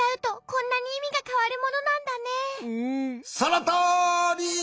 そのとおり！